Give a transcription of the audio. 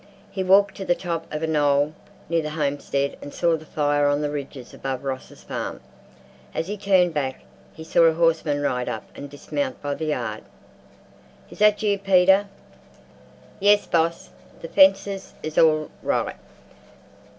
He walked to the top of a knoll near the homestead and saw the fire on the ridges above Ross's farm. As he turned back he saw a horseman ride up and dismount by the yard. "Is that you, Peter?" "Yes, boss. The fences is all right."